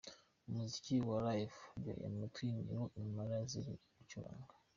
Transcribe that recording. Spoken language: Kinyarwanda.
Umuziki wa Live uryoheye amatwi ni wo Impala ziri bucurange.